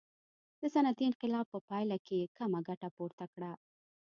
د صنعتي انقلاب په پایله کې یې کمه ګټه پورته کړه.